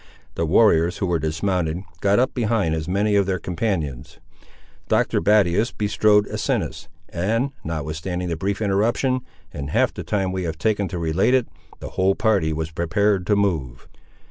The warriors who were dismounted, got up behind as many of their companions. Doctor Battius bestrode Asinus; and, notwithstanding the brief interruption, in half the time we have taken to relate it, the whole party was prepared to move.